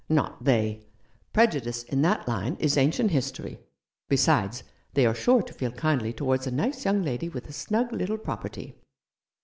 "Not they! Prejudice in that line is ancient history. Besides, they are sure to feel kindly towards a nice young lady with a snug little property.